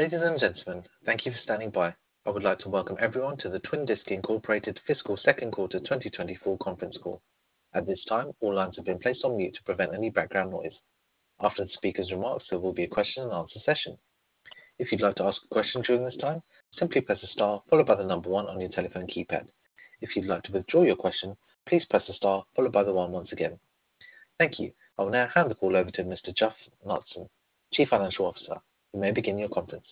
Ladies and gentlemen, thank you for standing by. I would like to welcome everyone to the Twin Disc, Incorporated Fiscal Second Quarter 2024 conference call. At this time, all lines have been placed on mute to prevent any background noise. After the speaker's remarks, there will be a question and answer session. If you'd like to ask a question during this time, simply press the star followed by the number one on your telephone keypad. If you'd like to withdraw your question, please press the star followed by the one once again. Thank you. I will now hand the call over to Mr. Jeff Knutson, Chief Financial Officer. You may begin your conference.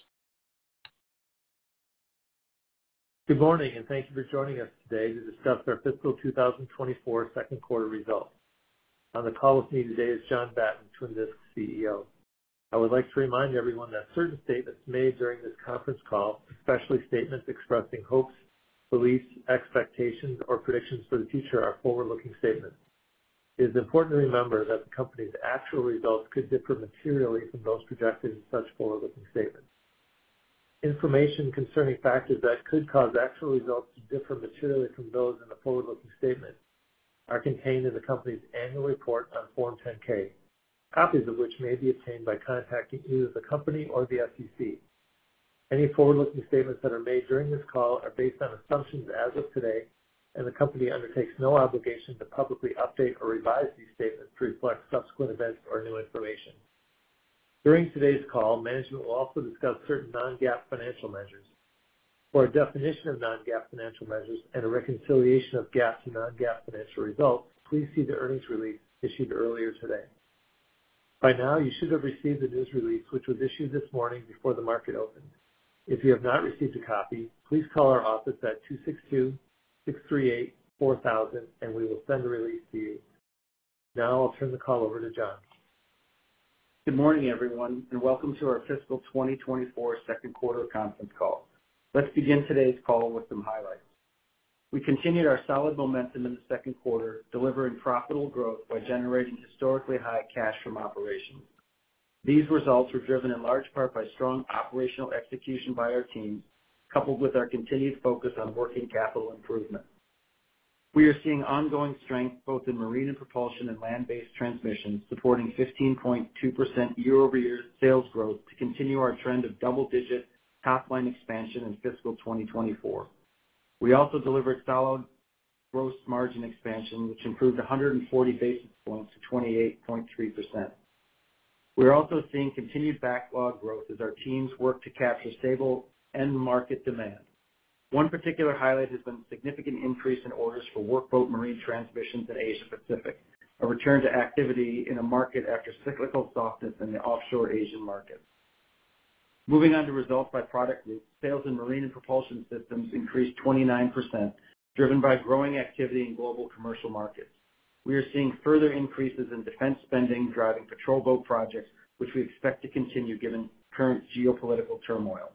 Good morning, and thank you for joining us today to discuss our fiscal 2024 second quarter results. On the call with me today is John Batten, Twin Disc CEO. I would like to remind everyone that certain statements made during this conference call, especially statements expressing hopes, beliefs, expectations, or predictions for the future, are forward-looking statements. It is important to remember that the company's actual results could differ materially from those projected in such forward-looking statements. Information concerning factors that could cause actual results to differ materially from those in the forward-looking statement are contained in the company's annual report on Form 10-K, copies of which may be obtained by contacting either the company or the SEC. Any forward-looking statements that are made during this call are based on assumptions as of today, and the company undertakes no obligation to publicly update or revise these statements to reflect subsequent events or new information. During today's call, management will also discuss certain non-GAAP financial measures. For a definition of non-GAAP financial measures and a reconciliation of GAAP to non-GAAP financial results, please see the earnings release issued earlier today. By now, you should have received the news release, which was issued this morning before the market opened. If you have not received a copy, please call our office at 262-638-4000, and we will send the release to you. Now I'll turn the call over to John. Good morning, everyone, and welcome to our fiscal 2024 second quarter conference call. Let's begin today's call with some highlights. We continued our solid momentum in the second quarter, delivering profitable growth by generating historically high cash from operations. These results were driven in large part by strong operational execution by our team, coupled with our continued focus on working capital improvement. We are seeing ongoing strength both in marine and propulsion and land-based Transmissions, supporting 15.2% year-over-year sales growth to continue our trend of double-digit top-line expansion in fiscal 2024. We also delivered solid gross margin expansion, which improved 140 basis points to 28.3%. We're also seeing continued backlog growth as our teams work to capture stable end market demand. One particular highlight has been the significant increase in orders for workboat marine Transmissions in Asia-Pacific, a return to activity in a market after cyclical softness in the offshore Asian markets. Moving on to results by product group. Sales in marine and propulsion systems increased 29%, driven by growing activity in global commercial markets. We are seeing further increases in defense spending, driving patrol boat projects, which we expect to continue given current geopolitical turmoil.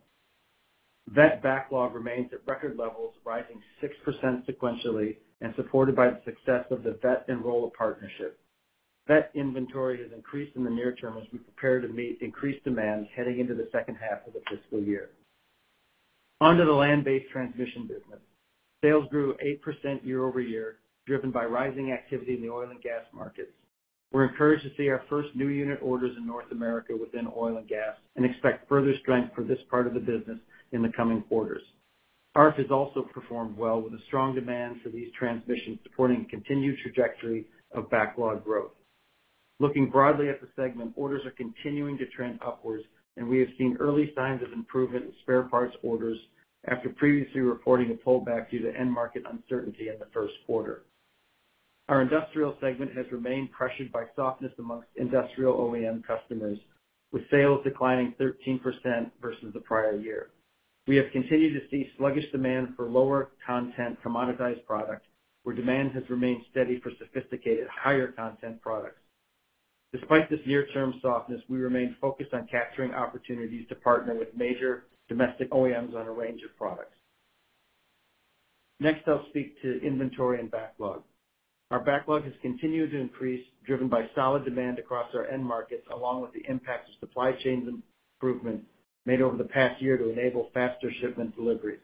Veth backlog remains at record levels, rising 6% sequentially and supported by the success of the Veth-Rolla partnership. Veth inventory has increased in the near term as we prepare to meet increased demand heading into the second half of the fiscal year. Onto the land-based Transmission business. Sales grew 8% year-over-year, driven by rising activity in the oil and gas markets. We're encouraged to see our first new unit orders in North America within oil and gas and expect further strength for this part of the business in the coming quarters. ARFF has also performed well, with a strong demand for these Transmissions supporting a continued trajectory of backlog growth. Looking broadly at the segment, orders are continuing to trend upwards, and we have seen early signs of improvement in spare parts orders after previously reporting a pullback due to end market uncertainty in the first quarter. Our industrial segment has remained pressured by softness amongst industrial OEM customers, with sales declining 13% versus the prior year. We have continued to see sluggish demand for lower content commoditized products, where demand has remained steady for sophisticated, higher content products. Despite this near-term softness, we remain focused on capturing opportunities to partner with major domestic OEMs on a range of products. Next, I'll speak to inventory and backlog. Our backlog has continued to increase, driven by solid demand across our end markets, along with the impact of supply chain improvements made over the past year to enable faster shipment deliveries.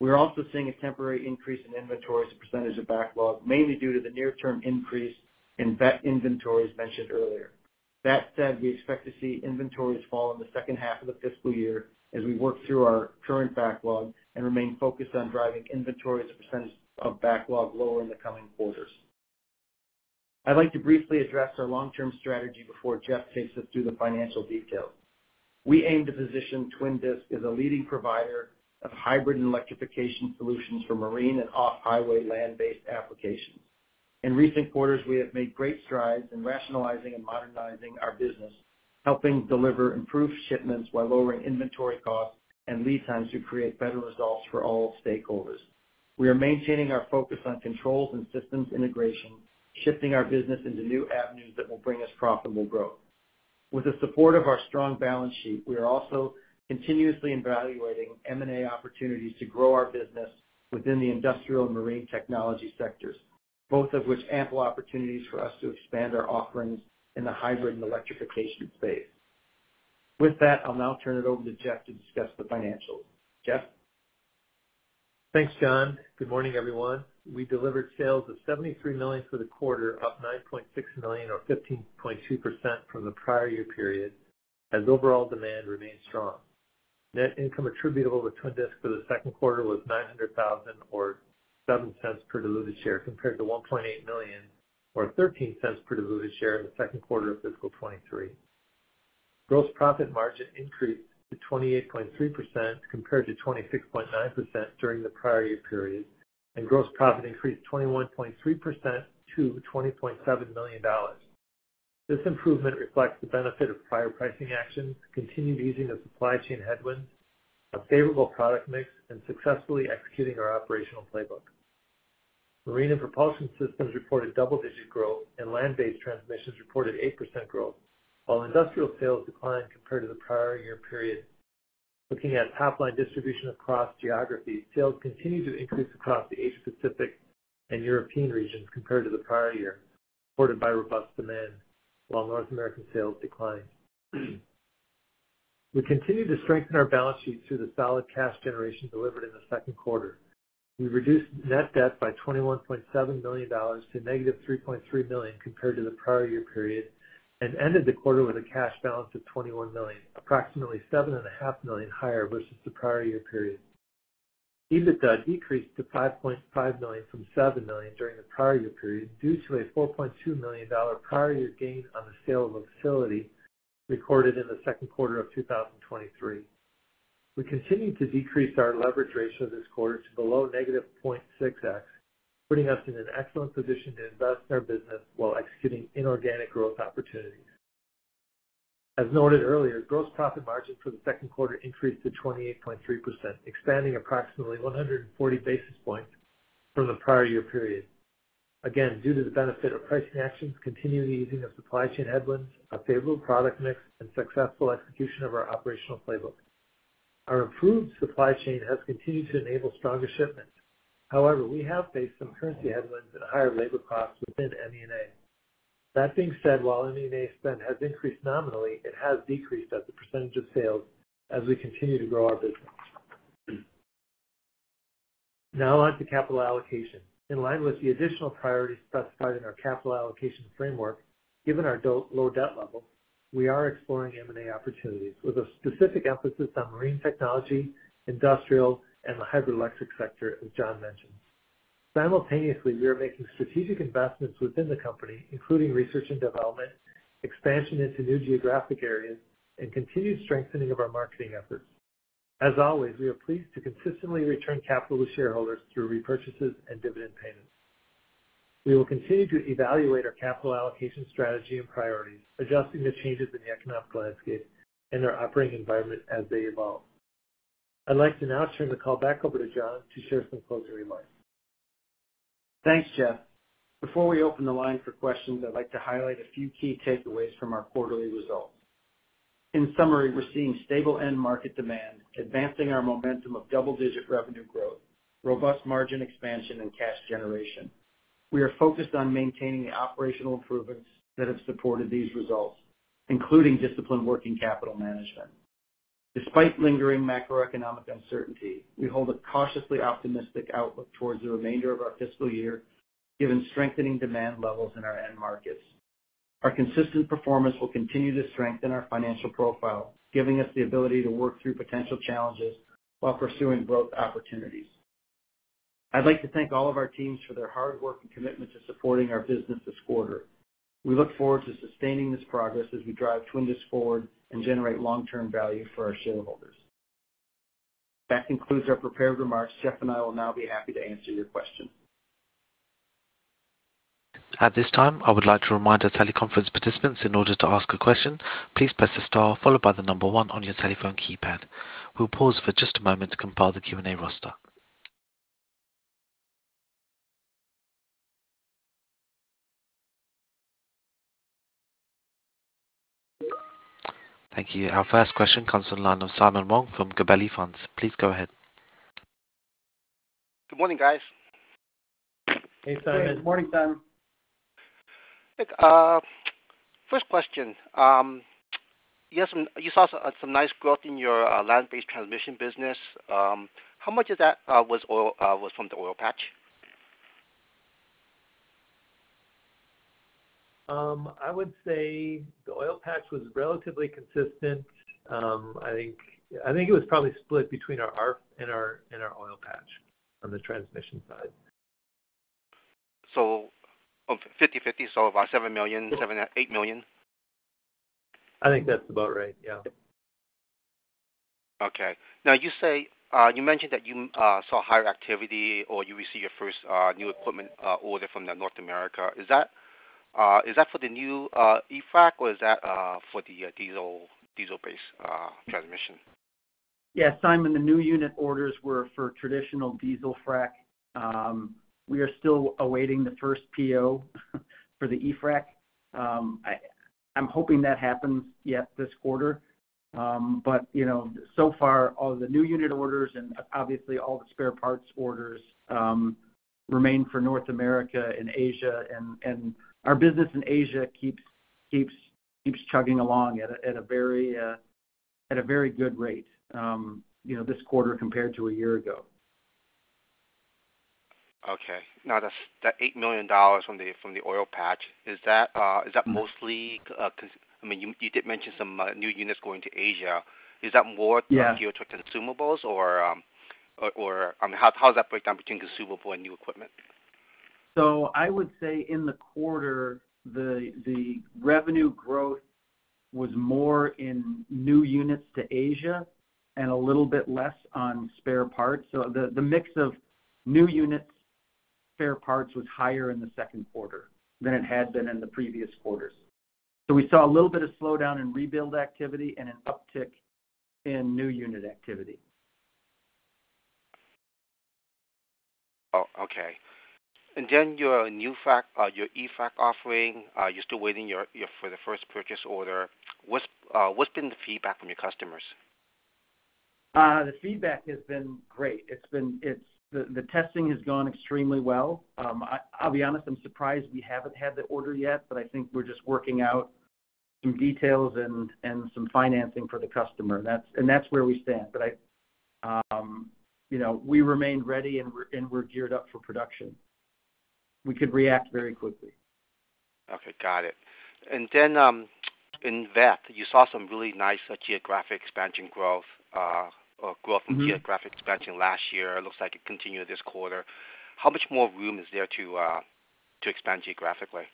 We are also seeing a temporary increase in inventory as a percentage of backlog, mainly due to the near-term increase in Veth inventories mentioned earlier. That said, we expect to see inventories fall in the second half of the fiscal year as we work through our current backlog and remain focused on driving inventory as a percentage of backlog lower in the coming quarters. I'd like to briefly address our long-term strategy before Jeff takes us through the financial details. We aim to position Twin Disc as a leading provider of hybrid and electrification solutions for marine and off-highway land-based applications. In recent quarters, we have made great strides in rationalizing and modernizing our business, helping deliver improved shipments while lowering inventory costs and lead times to create better results for all stakeholders. We are maintaining our focus on controls and systems integration, shifting our business into new avenues that will bring us profitable growth. With the support of our strong balance sheet, we are also continuously evaluating M&A opportunities to grow our business within the industrial and marine technology sectors, both of which ample opportunities for us to expand our offerings in the hybrid and electrification space. With that, I'll now turn it over to Jeff to discuss the financials. Jeff? Thanks, John. Good morning, everyone. We delivered sales of $73 million for the quarter, up $9.6 million, or 15.2% from the prior year period, as overall demand remained strong. Net income attributable to Twin Disc for the second quarter was $900,000 or $0.07 per diluted share, compared to $1.8 million or $0.13 per diluted share in the second quarter of fiscal 2023. Gross profit margin increased to 28.3%, compared to 26.9% during the prior year period, and gross profit increased 21.3% to $20.7 million. This improvement reflects the benefit of prior pricing actions, continued easing of supply chain headwinds, a favorable product mix and successfully executing our operational playbook. Marine and propulsion systems reported double-digit growth, and land-based Transmissions reported 8% growth, while industrial sales declined compared to the prior year period. Looking at top-line distribution across geographies, sales continued to increase across the Asia-Pacific and European regions compared to the prior year, supported by robust demand, while North American sales declined. We continued to strengthen our balance sheet through the solid cash generation delivered in the second quarter. We reduced net debt by $21.7 million to -$3.3 million compared to the prior year period, and ended the quarter with a cash balance of $21 million, approximately $7.5 million higher versus the prior year period. EBITDA decreased to $5.5 million from $7 million during the prior year period, due to a $4.2 million prior year gain on the sale of a facility recorded in the second quarter of 2023. We continued to decrease our leverage ratio this quarter to below -0.6x, putting us in an excellent position to invest in our business while executing inorganic growth opportunities. As noted earlier, gross profit margin for the second quarter increased to 28.3%, expanding approximately 140 basis points from the prior year period. Again, due to the benefit of pricing actions, continued easing of supply chain headwinds, a favorable product mix and successful execution of our operational playbook. Our improved supply chain has continued to enable stronger shipments. However, we have faced some currency headwinds and higher labor costs within MENA. That being said, while MENA spend has increased nominally, it has decreased as a percentage of sales as we continue to grow our business. Now on to capital allocation. In line with the additional priorities specified in our capital allocation framework, given our low debt level, we are exploring M&A opportunities with a specific emphasis on marine technology, industrial, and the hydroelectric sector, as John mentioned. Simultaneously, we are making strategic investments within the company, including research and development, expansion into new geographic areas, and continued strengthening of our marketing efforts. As always, we are pleased to consistently return capital to shareholders through repurchases and dividend payments. We will continue to evaluate our capital allocation strategy and priorities, adjusting to changes in the economic landscape and our operating environment as they evolve. I'd like to now turn the call back over to John to share some closing remarks. Thanks, Jeff. Before we open the line for questions, I'd like to highlight a few key takeaways from our quarterly results. In summary, we're seeing stable end market demand, advancing our momentum of double-digit revenue growth, robust margin expansion, and cash generation. We are focused on maintaining the operational improvements that have supported these results, including disciplined working capital management. Despite lingering macroeconomic uncertainty, we hold a cautiously optimistic outlook towards the remainder of our fiscal year, given strengthening demand levels in our end markets. Our consistent performance will continue to strengthen our financial profile, giving us the ability to work through potential challenges while pursuing growth opportunities. I'd like to thank all of our teams for their hard work and commitment to supporting our business this quarter. We look forward to sustaining this progress as we drive Twin Disc forward and generate long-term value for our shareholders. That concludes our prepared remarks. Jeff and I will now be happy to answer your questions. At this time, I would like to remind our teleconference participants, in order to ask a question, please press the star followed by the number one on your telephone keypad. We'll pause for just a moment to compile the Q&A roster. Thank you. Our first question comes on the line of Simon Wong from Gabelli Funds. Please go ahead. Good morning, guys. Hey, Simon. Good morning, Simon. First question. You saw some nice growth in your land-based Transmission business. How much of that was from the oil patch? I would say the oil patch was relatively consistent. I think it was probably split between our ARFF and our oil patch on the Transmission side. So 50/50, so about $7 million, 7, $8 million? I think that's about right, yeah. Okay. Now, you say, you mentioned that you saw higher activity or you received your first new equipment order from the North America. Is that, is that for the new EFRAC, or is that for the diesel, diesel-based transmission? Yeah, Simon, the new unit orders were for traditional diesel frac. We are still awaiting the first PO for the EFRAC. I'm hoping that happens yet this quarter. But you know, so far, all the new unit orders and obviously all the spare parts orders remain for North America and Asia. And our business in Asia keeps chugging along at a very good rate, you know, this quarter compared to a year ago. Okay. Now, that's that $8 million from the oil patch, is that mostly because—I mean, you did mention some new units going to Asia. Is that more- Yeah. Geotrac consumables or, I mean, how does that break down between consumable and new equipment? So I would say in the quarter, the revenue growth was more in new units to Asia and a little bit less on spare parts. So the mix of new units, spare parts, was higher in the second quarter than it had been in the previous quarters. So we saw a little bit of slowdown in rebuild activity and an uptick in new unit activity. Oh, okay. And then your new EFRAC, your EFRAC offering, you're still waiting for the first purchase order. What's been the feedback from your customers? The feedback has been great. The testing has gone extremely well. I'll be honest, I'm surprised we haven't had the order yet, but I think we're just working out some details and some financing for the customer. That's where we stand. But you know, we remain ready and we're geared up for production. We could react very quickly. Okay, got it. And then, in Veth, you saw some really nice geographic expansion growth, or growth- from geographic expansion last year. It looks like it continued this quarter. How much more room is there to, to expand geographically?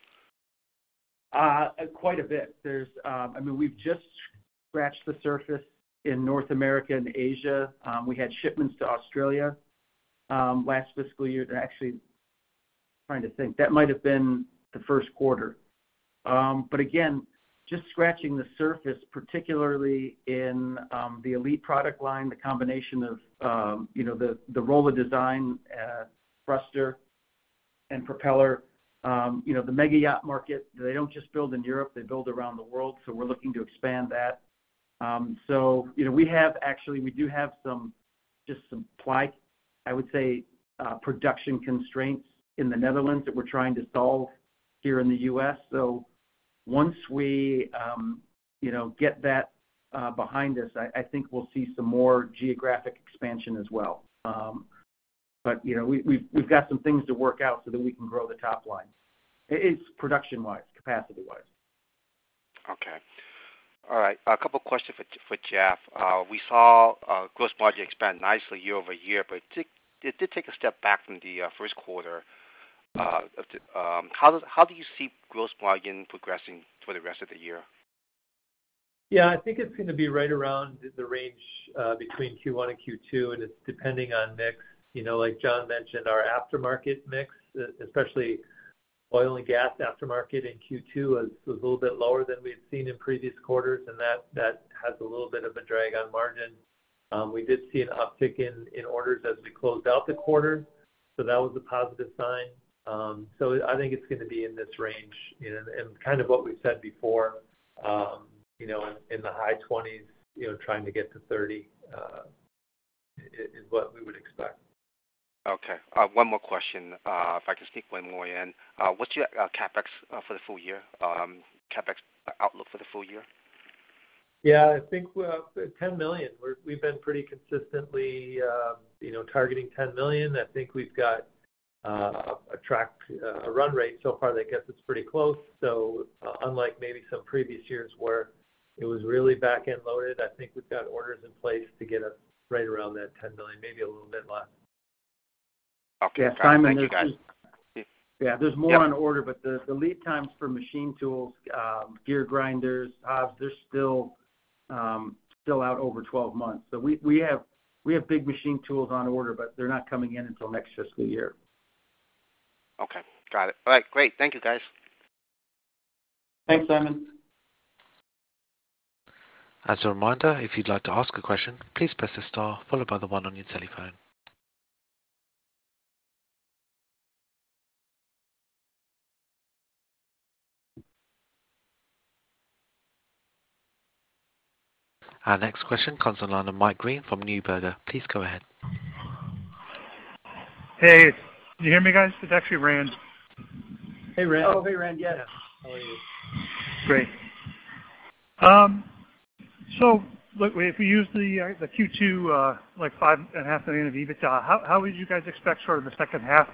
Quite a bit. There's... I mean, we've just scratched the surface in North America and Asia. We had shipments to Australia, last fiscal year. They're actually, trying to think, that might have been the first quarter. But again, just scratching the surface, particularly in, the Elite product line, the combination of, you know, the, the Rolla design, thruster and propeller. You know, the mega yacht market, they don't just build in Europe, they build around the world, so we're looking to expand that. So you know, we have actually, we do have some, just some supply, I would say, production constraints in the Netherlands that we're trying to solve here in the U.S. So once we, you know, get that, behind us, I, I think we'll see some more geographic expansion as well. you know, we've got some things to work out so that we can grow the top line. It's production-wise, capacity-wise. Okay. All right. A couple of questions for Jeff. We saw gross margin expand nicely year-over-year, but it took... It did take a step back from the first quarter. How do you see gross Margin progressing for the rest of the year? Yeah, I think it's gonna be right around the range between Q1 and Q2, and it's depending on mix. You know, like John mentioned, our aftermarket mix, especially oil and gas aftermarket in Q2, was a little bit lower than we've seen in previous quarters, and that has a little bit of a drag on margin. We did see an uptick in orders as we closed out the quarter, so that was a positive sign. So I think it's gonna be in this range, you know, and kind of what we've said before, you know, in the high 20s, you know, trying to get to 30, is what we would expect. Okay, one more question, if I can sneak one more in. What's your CapEx for the full year, CapEx outlook for the full year? Yeah, I think we're at $10 million. We've been pretty consistently, you know, targeting $10 million. I think we've got a run rate so far that gets us pretty close. So unlike maybe some previous years where it was really back-end loaded, I think we've got orders in place to get us right around that $10 million, maybe a little bit less. Okay. Thank you, guys. Yeah. There's more on order, but the lead times for machine tools, gear grinders, hubs, they're still out over 12 months. So we have big machine tools on order, but they're not coming in until next fiscal year. Okay. Got it. All right, great. Thank you, guys. Thanks, Simon. As a reminder, if you'd like to ask a question, please press the star followed by the one on your telephone. Our next question comes on the line of Mike Green from Neuberger. Please go ahead. Hey, can you hear me, guys? It's actually Rand. Hey, Rand. Oh, hey, Rand. Yes. How are you? Great. So look, if we use the Q2 like $5.5 million of EBITDA, how would you guys expect sort of the second half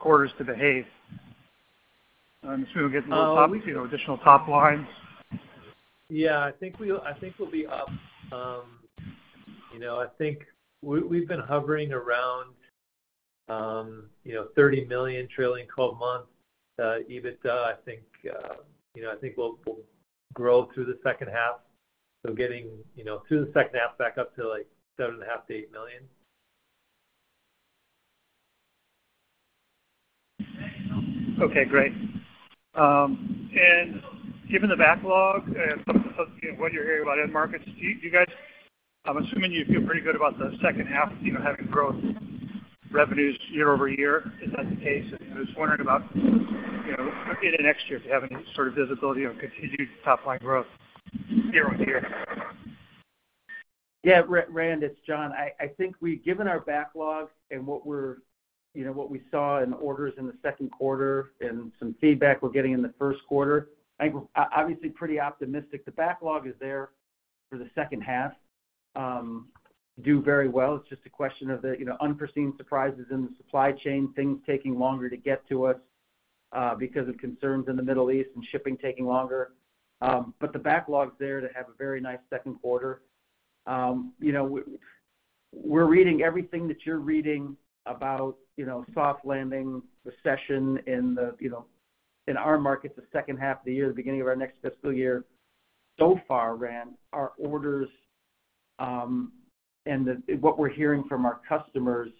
quarters to behave? I'm sure we'll get additional top lines. Yeah, I think we'll, I think we'll be up. You know, I think we, we've been hovering around $30 million trailing twelve-month EBITDA. I think, you know, I think we'll, we'll grow through the second half, so getting, you know, through the second half back up to, like, $7.5 million-$8 million. Okay, great. And given the backlog and what you're hearing about end markets, do you guys, I'm assuming you feel pretty good about the second half, you know, having growth revenues year over year. Is that the case? I was just wondering about, you know, in the next year, if you have any sort of visibility on continued top-line growth year over year. Yeah, Rand, it's John. I think we've given our backlog and what we're, you know, what we saw in orders in the second quarter and some feedback we're getting in the first quarter. I think we're obviously pretty optimistic. The backlog is there for the second half do very well. It's just a question of the, you know, unforeseen surprises in the supply chain, things taking longer to get to us because of concerns in the Middle East and shipping taking longer. But the backlog is there to have a very nice second quarter. You know, we're reading everything that you're reading about, you know, soft landing, recession in the, you know, in our markets, the second half of the year, the beginning of our next fiscal year. So far, Rand, our orders and the... What we're hearing from our customers,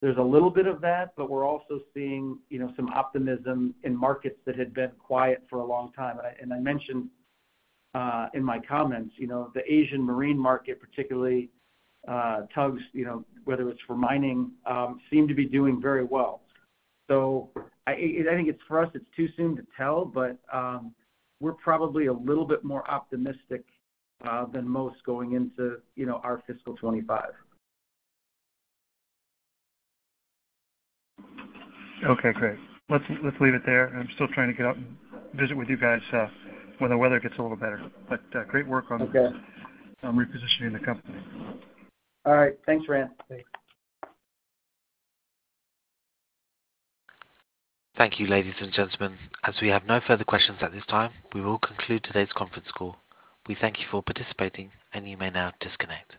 there's a little bit of that, but we're also seeing, you know, some optimism in markets that had been quiet for a long time. And I, and I mentioned, in my comments, you know, the Asian marine market, particularly, tugs, you know, whether it's for mining, seem to be doing very well. So I, I think it's, for us, it's too soon to tell, but, we're probably a little bit more optimistic, than most going into, you know, our fiscal 25. Okay, great. Let's leave it there. I'm still trying to get out and visit with you guys when the weather gets a little better. But, great work on- Okay. Repositioning the company. All right. Thanks, Rand. Thanks. Thank you, ladies and gentlemen. As we have no further questions at this time, we will conclude today's conference call. We thank you for participating, and you may now disconnect.